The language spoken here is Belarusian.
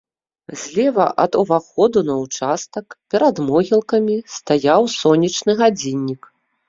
Злева ад уваходу на ўчастак, перад могілкамі, стаяў сонечны гадзіннік.